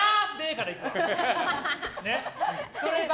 からいくわ。